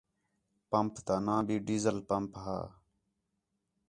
پمپ تا ناں بھی ڈیزل پمپ ہا